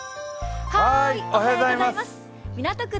港区